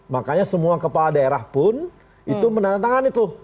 makanya semua kepala daerah pun itu menandatangani tuh